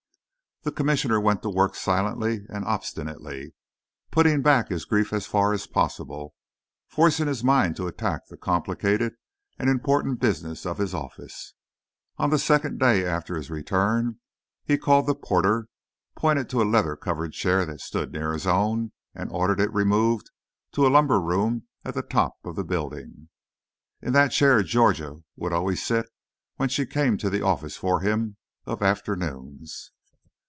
The Commissioner went to work silently and obstinately, putting back his grief as far as possible, forcing his mind to attack the complicated and important business of his office. On the second day after his return he called the porter, pointed to a leather covered chair that stood near his own, and ordered it removed to a lumber room at the top of the building. In that chair Georgia would always sit when she came to the office for him of afternoons.